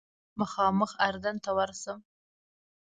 مخامخ اردن ته ورشم.